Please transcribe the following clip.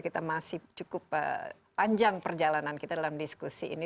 kita masih cukup panjang perjalanan kita dalam diskusi ini